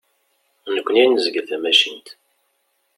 Nekni ad nezgel tamacint.